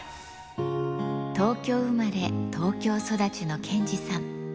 東京生まれ、東京育ちの健司さん。